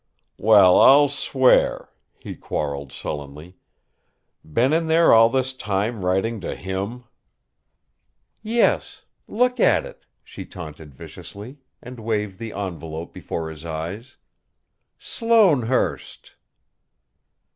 "Well, I'll swear!" he quarrelled sullenly. "Been in there all this time writing to him!" "Yes! Look at it!" she taunted viciously, and waved the envelope before his eyes. "Sloanehurst!"